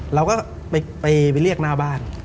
เราก็ไปเรียกหน้าบ้าน